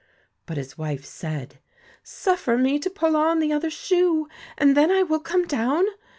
But his wife said :' Suffer me to pull on the other shoe, and then I will come down.'